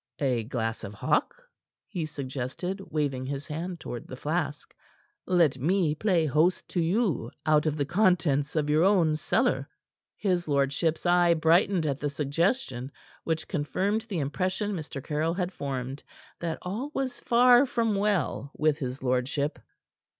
"A glass of Hock?" he suggested, waving his hand towards the flask. "Let me play host to you out of the contents of your own cellar." His lordship's eye brightened at the suggestion, which confirmed the impression Mr. Caryll had formed that all was far from well with his lordship.